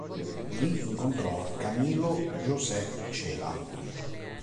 Lì incontrò Camilo José Cela.